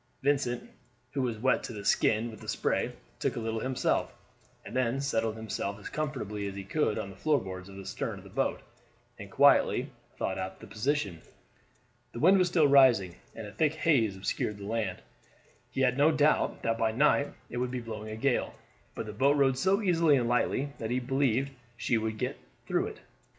Vincent, who was wet to the skin with the spray, took a little himself, and then settled himself as comfortably as he could on the floor boards in the stern of the boat, and quietly thought out the position. The wind was still rising, and a thick haze obscured the land. He had no doubt that by night it would be blowing a gale; but the boat rode so easily and lightly that he believed she would get through it.